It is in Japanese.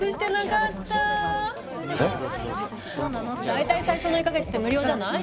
大体最初の１か月って無料じゃない？